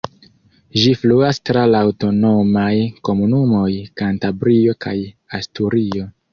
Ĝi fluas tra la aŭtonomaj komunumoj Kantabrio kaj Asturio.